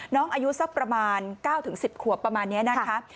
อายุสักประมาณ๙๑๐ขวบประมาณนี้นะคะ